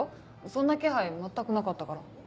そんな気配全くなかったから。